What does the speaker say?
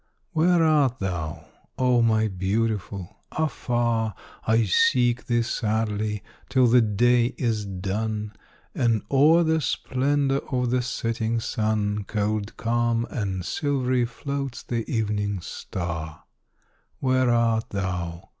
Where art thou, oh! my Beautiful? Afar I seek thee sadly, till the day is done, And o'er the splendour of the setting sun, Cold, calm, and silvery, floats the evening star; Where art thou?